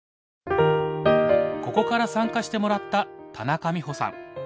ここから参加してもらった田中美穂さん。